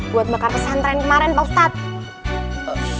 buat bakar pesantren kemarin pak ustadz